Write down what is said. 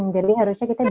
jadi harusnya kita bisa